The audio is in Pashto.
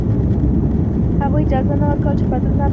هغوی اجازه نه ورکوله چې بدلون رامنځته شي.